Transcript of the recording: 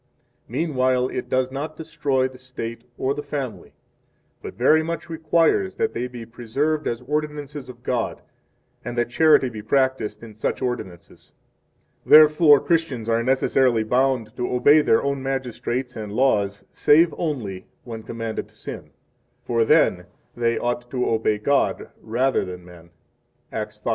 Meanwhile, it does not destroy the State or the family, but very much requires that they be preserved as ordinances of God, and that charity be practiced in such 6 ordinances. Therefore, Christians are necessarily bound to obey their own magistrates 7 and laws save only when commanded to sin; for then they ought to obey God rather than men. Acts 5:29.